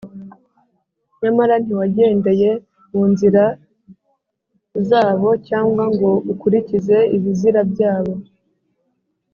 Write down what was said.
Nyamara ntiwagendeye mu nzira zabo cyangwa ngo ukurikize ibizira byabo